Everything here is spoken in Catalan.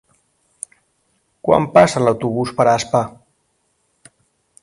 Quan passa l'autobús per Aspa?